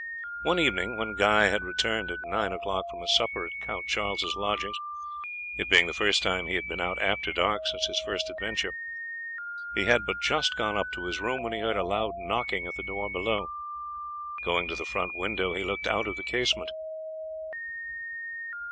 One evening when Guy had returned at nine o'clock from a supper at Count Charles's lodgings, it being the first time he had been out after dark since his first adventure, he had but just gone up to his room, when he heard a loud knocking at the door below. Going to the front window he looked out of the casement.